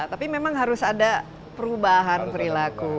tapi memang harus ada perubahan perilaku